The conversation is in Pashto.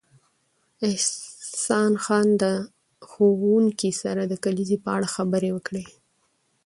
احسان خان د ښوونکي سره د کلیزې په اړه خبرې وکړې